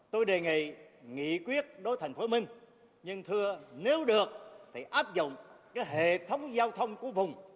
tôi đề nghị nghị quyết đối thành phố minh nhưng thưa nếu được thì áp dụng hệ thống giao thông của vùng